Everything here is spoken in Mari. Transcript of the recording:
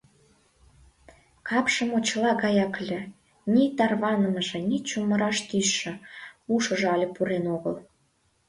Капше мочыла гаяк ыле, ни тарванымыже, ни чумыраш тӱсшӧ: ушыжо але пурен огыл.